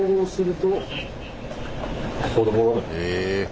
え。